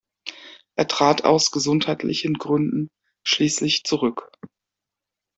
Er trat aus gesundheitlichen Gründen schließlich zurück.